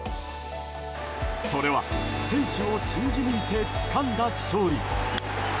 それは選手を信じ抜いてつかんだ勝利。